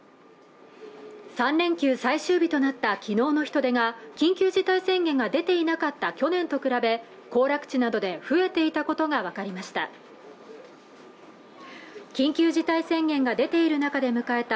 ３連休最終日となった昨日の人出が緊急事態宣言が出ていなかった去年と比べ行楽地などで増えていたことが分かりました